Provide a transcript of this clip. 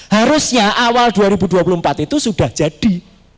harusnya awal dua ribu dua puluh empat itu sudah jadi